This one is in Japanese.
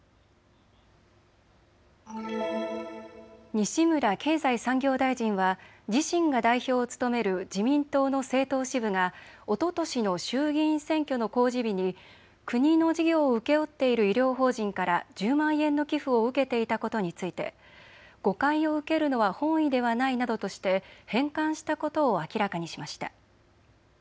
西村経済産業大臣は自身が代表を務める自民党の政党支部がおととしの衆議院選挙の公示日に国の事業を請け負っている医療法人から１０万円の寄付を受けていたことについて誤解を受けるのは本意ではないなどとして返還したことを明らかにしました。